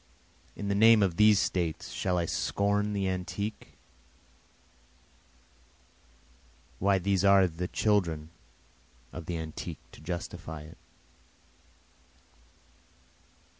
In the name of these States shall I scorn the antique? Why these are the children of the antique to justify it.